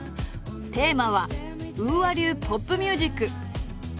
テーマは「ＵＡ流ポップミュージック」。